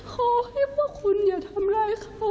ขอให้พวกคุณอย่าทำร้ายเขา